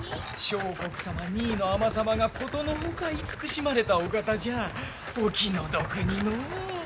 相国様二位の尼様がことのほか慈しまれたお方じゃお気の毒にのう。